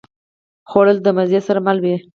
خوړل د مزې سره مل وي